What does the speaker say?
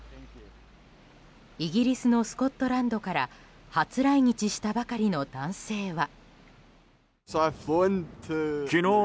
イギリスのスコットランドから初来日したばかりの男性は。